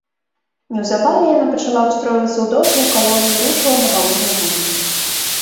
Неўзабаве яна пачала выстройвацца ў доўгія калоны і рушыла на галоўную вуліцу.